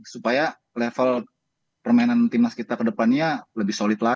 supaya level permainan timnas kita ke depannya lebih solid lagi